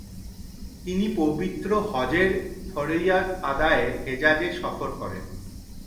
তিনি পবিত্র হজ্বের ফরযিয়্যাত আদায়ে হেজাযে সফর করেন।